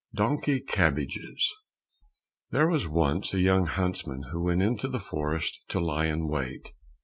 122 Donkey Cabbages There was once a young huntsman who went into the forest to lie in wait.